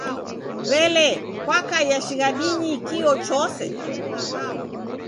W'ele, kwakaia shighadinyi kio chose?